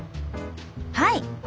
はい。